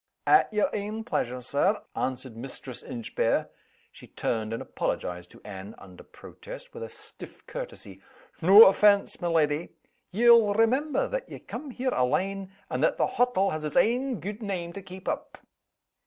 "At yer ain pleasure, Sir," answered Mistress Inchbare. She turned, and apologized to Anne (under protest), with a stiff courtesy. "No offense, my leddy! Ye'll remember that ye cam' here alane, and that the hottle has its ain gude name to keep up."